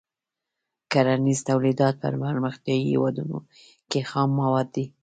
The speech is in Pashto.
کرنیز تولیدات په پرمختیايي هېوادونو کې خام مواد دي.